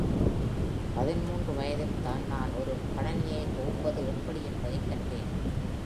பதிமூன்று வயதில் தான் நான் ஒரு கணிணியை தொகுப்பது எப்படி என்பதை கற்றேன்.